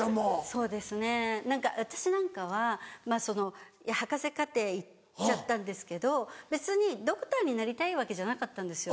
そうですね何か私なんかは博士課程行っちゃったんですけど別にドクターになりたいわけじゃなかったんですよ。